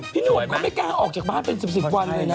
พี่หน่วนก็จะไม่กล้าออกจากบ้านเป็น๑๐วันเลยไหมน่ะพระไขนะ